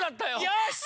よし！